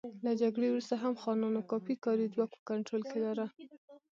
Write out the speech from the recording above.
له جګړې وروسته هم خانانو کافي کاري ځواک په کنټرول کې لاره.